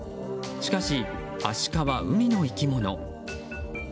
しかし、アシカは海の生き物。